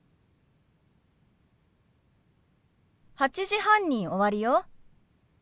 ８時半に終わるよ。